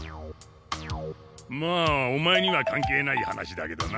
まあオマエには関係ない話だけどな。